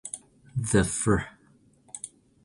The Fr.